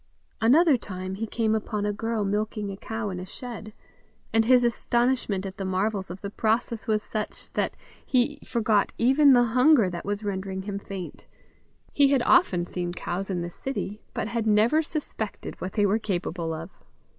Another time he came upon a girl milking a cow in a shed, and his astonishment at the marvels of the process was such, that he forgot even the hunger that was rendering him faint. He had often seen cows in the city, but had never suspected what they were capable of.